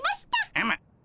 うむ。